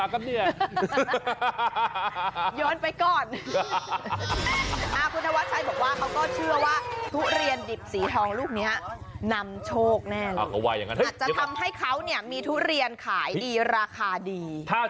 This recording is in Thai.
กลับจับหน้าพอบผม๑๒๓เฮ้าอะไรอ่ะ